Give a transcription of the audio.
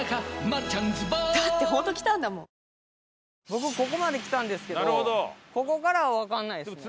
僕ここまで来たんですけどここからはわかんないですね。